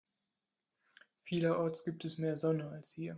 Vielerorts gibt es mehr Sonne als hier.